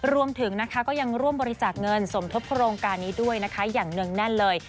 รวมถึงนะคะก็ยังร่วมบริจาคเงินสมทบโครงการนี้ด้วยนะคะอย่างเนื่องแน่นเลย